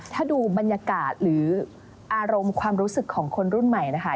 ถ้าดูบรรยากาศหรืออารมณ์ความรู้สึกของคนรุ่นใหม่นะคะ